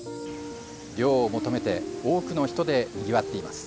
涼を求めて多くの人でにぎわっています。